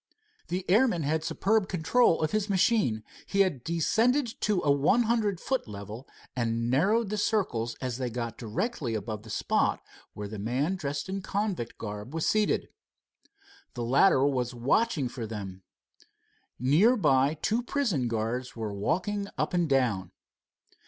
The airman had superb control of his machine. He had descended to a one hundred foot level, and narrowed the circles as they got directly above the spot where the man dressed in convict garb was seated. The latter was watching for them. Near by two prison guards were walking up and down.